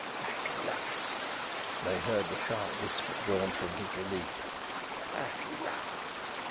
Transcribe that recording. "At last!" they heard the sharp whisper drawn from his relief. "At last!"